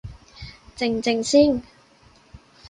靜靜先